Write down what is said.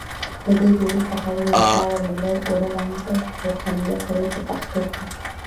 د دې ډوډۍ پخولو لپاره لومړی اوړه لمد او خمېره کوي په پښتو کې.